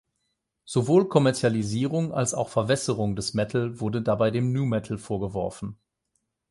Sowohl Kommerzialisierung als auch Verwässerung des Metal wurde dabei dem Nu Metal vorgeworfen.